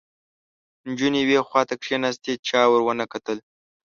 نجونې یوې خواته کېناستې، چا ور ونه کتل